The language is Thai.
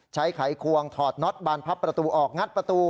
ไขควงถอดน็อตบานพับประตูออกงัดประตู